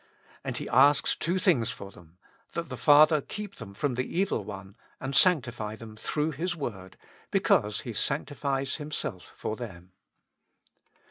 And He asks two things for them : that the Father keep them from the evil one, and sanctify them through His Word, because He sanctifies Himself for them.